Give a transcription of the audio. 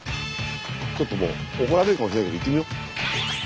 ちょっともう怒られるかもしれないけど行ってみよう。